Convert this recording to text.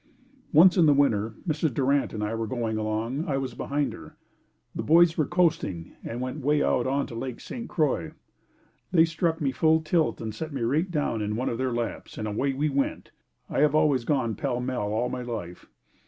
Once in the winter, Mrs. Durant and I were going along, I was behind her. The boys were coasting and went 'way out onto Lake St. Croix. They struck me full tilt and set me right down in one of their laps and away we went. I have always gone pell mell all my life.